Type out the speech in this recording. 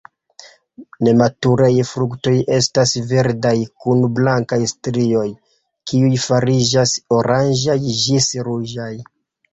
Nematuraj fruktoj estas verdaj kun blankaj strioj, kiuj fariĝas oranĝaj ĝis ruĝaj.